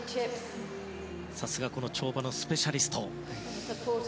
さすが、跳馬のスペシャリスト。